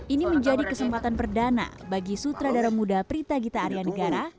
ini menjadi kesempatan perdana bagi sutradara muda prita gita arya negara